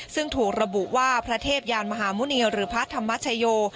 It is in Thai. ซึ่งถูกระบุว่าพระเทพยานมหาหมุณีหรือพระธรรมชโย